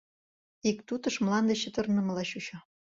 Иктутыш мланде чытырнымыла чучо.